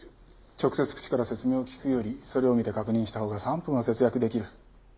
直接口から説明を聞くよりそれを見て確認したほうが３分は節約できる。